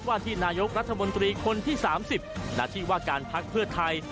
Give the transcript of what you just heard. วาทินายกรัฐบดนตรีคนที่สามสิบนัดที่ว่าการพักเพื่อไทย